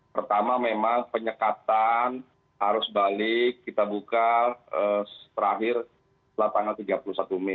pertama memang penyekatan harus balik kita buka terakhir lapangan tiga puluh satu mei